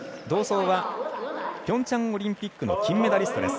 同走はピョンチャンオリンピックの金メダリスト。